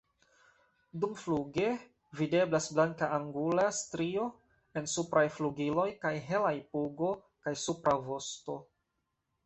Dumfluge videblas blanka angula strio en supraj flugiloj kaj helaj pugo kaj supra vosto.